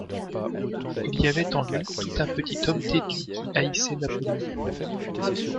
Il y avait en lui tout un petit homme têtu qui haïssait Napoléon.